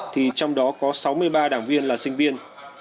thì trong đó có sáu mươi ba đảng viên là sinh viên